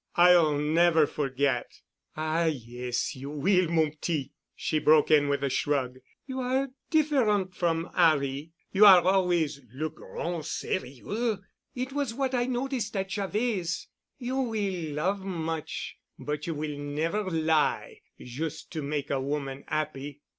I'll never forget——" "Ah, yes, you will, mon petit," she broke in with a shrug, "you are different from 'Arry. You are always le grand serieux. It was what I noticed at Javet's. You will love much, but you will never lie jus' to make a woman 'appy.